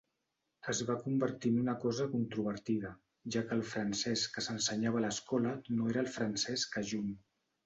Es va convertir en una cosa controvertida, ja que el francès que s'ensenyava a l'escola no era el francès cajun.